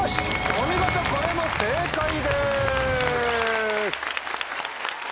お見事これも正解です！